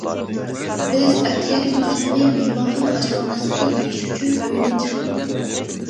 بىز ئەتىگەنلىك ناشتىنى مېھمانخانا ئاشخانىسىدا يېيىش ئۈچۈن ئۆيدىن چىقتۇق.